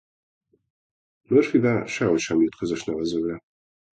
Murphyvel sehogy sem jut közös nevezőre.